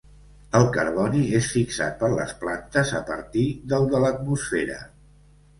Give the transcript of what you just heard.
El carboni és fixat per les plantes a partir del de l'atmosfera.